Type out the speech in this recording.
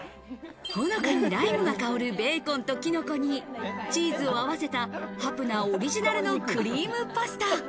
ほのかにライムが香るベーコンとキノコにチーズを合わせたハプナオリジナルのクリームパスタ。